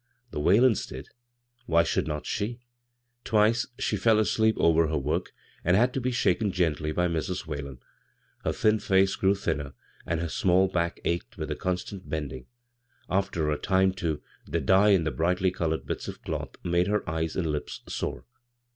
The Whalens did — why should not she ? Twice she fell asleep over her work and had to be shaken gently by Mrs. Whalen. Her thin face grew thinner, and her small back ached with the constant bend ing. After a time, too, the dye in the brighdy colored bits of cloth made her eyes and lips sore.